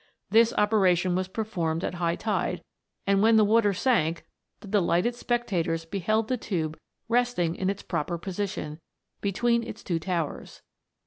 This operation was performed at high tide, and when the water sank, the delighted spectators beheld the tube resting in its proper position, between its two towers.